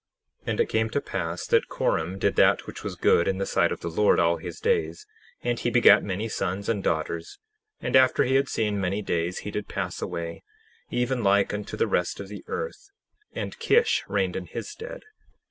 10:17 And it came to pass that Corom did that which was good in the sight of the Lord all his days; and he begat many sons and daughters; and after he had seen many days he did pass away, even like unto the rest of the earth; and Kish reigned in his stead.